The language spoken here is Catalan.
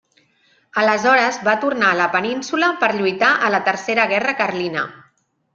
Aleshores va tornar a la Península per lluitar a la tercera guerra carlina.